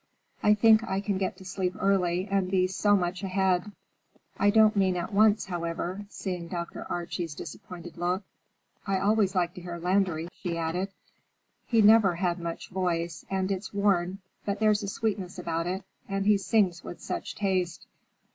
I think I can get to sleep early and be so much ahead. I don't mean at once, however," seeing Dr. Archie's disappointed look. "I always like to hear Landry," she added. "He never had much voice, and it's worn, but there's a sweetness about it, and he sings with such taste."